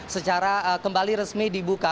secara kembali resmi dibuka